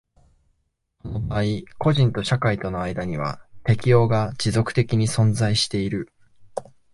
この場合個人と社会との間には適応が持続的に存在している。